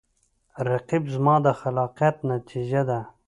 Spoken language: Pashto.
رقیب زما د خلاقیت نتیجه ده